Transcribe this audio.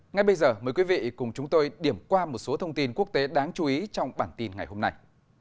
ngay bây giờ mời quý vị cùng chúng tôi điểm qua một số thông tin quốc tế đáng chú ý trong bản tin ngày hôm nay